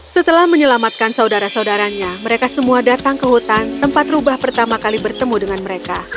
setelah menyelamatkan saudara saudaranya mereka semua datang ke hutan tempat rubah pertama kali bertemu dengan mereka